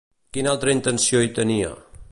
Quina altra intenció hi tenia?